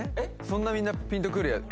そんなみんなピンとくるやつ？